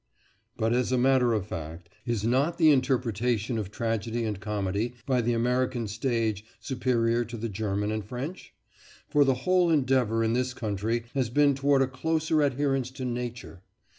But as a matter of fact, is not the interpretation of tragedy and comedy by the American stage superior to the German and French? for the whole endeavour in this country has been toward a closer adherence to nature.